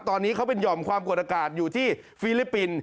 ตอนนี้เขาเป็นห่อมความกดอากาศอยู่ที่ฟิลิปปินส์